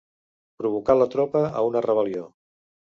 Provocar la tropa a una rebel·lió.